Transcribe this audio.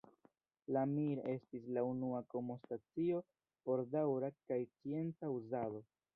La Mir estis la unua kosmostacio por daŭra kaj scienca uzado.